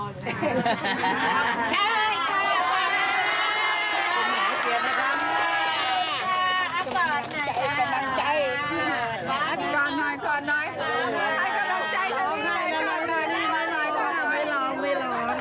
ใช่คุณหมายเจียบนะครับ